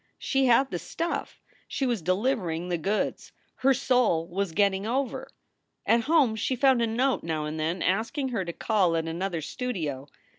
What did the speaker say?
She had "the stuff." She was deliver ing the goods. Her soul was getting over. At home she found a note now and then asking her to call at another studio.